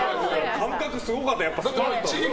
感覚すごかった。